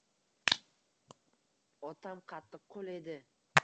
Otam qattiqqo`l edi